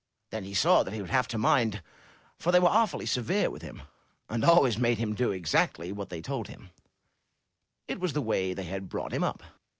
Then he saw that he would have to mind, for they were awfully severe with him, and always made him do exactly what they told him; it was the way they had brought him up.